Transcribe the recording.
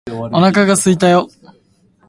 お腹がすいたよ